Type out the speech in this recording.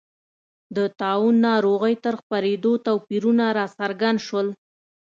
د طاعون ناروغۍ تر خپرېدو توپیرونه راڅرګند شول.